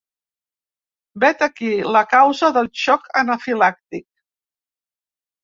Vet aquí la causa del xoc anafilàctic.